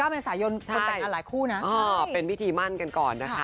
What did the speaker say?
เมษายนคนแต่งงานหลายคู่นะเป็นพิธีมั่นกันก่อนนะคะ